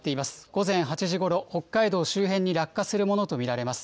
午前８時ごろ、北海道周辺に落下するものと見られます。